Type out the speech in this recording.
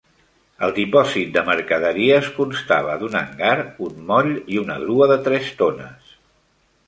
El dipòsit de mercaderies constava d'un hangar, un moll i una grua de tres tones.